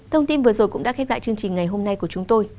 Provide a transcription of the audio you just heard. thông tin vừa rồi cũng đã khép lại chương trình ngày hôm nay của chúng tôi